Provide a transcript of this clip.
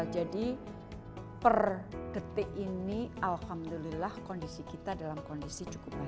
jadi per detik ini alhamdulillah kondisi kita dalam kondisi cukup baik